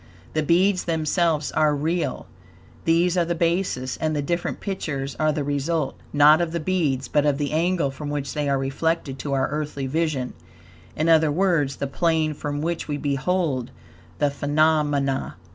The beads themselves are real. These are the basis, and the different pictures are the result, not of the beads, but of the angle from which they are reflected to our earthly vision. In other words, THE PLANE FROM WHICH WE BEHOLD THE PHENOMENA.